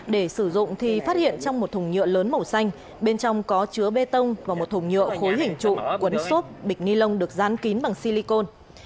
để sử dụng thì phát hiện trong một thùng nhựa lớn màu xanh bên trong có chứa bê tông và một thùng nhựa khối hình trụ quấn xốp bịch ni lông được dán kín bằng silicon